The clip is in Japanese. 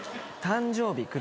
誕生日。